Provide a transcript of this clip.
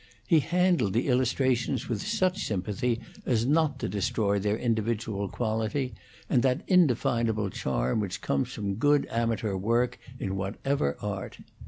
He handled the illustrations with such sympathy as not to destroy their individual quality, and that indefinable charm which comes from good amateur work in whatever art.